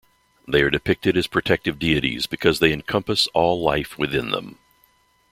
They are depicted as protective deities because they encompass all life within them.